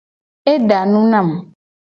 Eda nu nam.